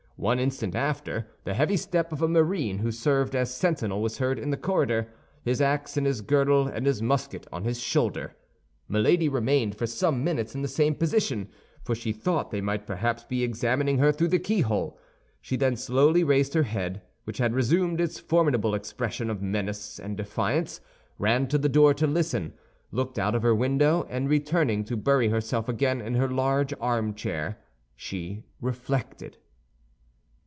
One instant after, the heavy step of a marine who served as sentinel was heard in the corridor—his ax in his girdle and his musket on his shoulder. Milady remained for some minutes in the same position, for she thought they might perhaps be examining her through the keyhole; she then slowly raised her head, which had resumed its formidable expression of menace and defiance, ran to the door to listen, looked out of her window, and returning to bury herself again in her large armchair, she reflected.